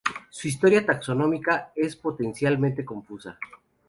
Su historia taxonómica es potencialmente confusa.